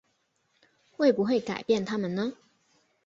会不会改变他们呢？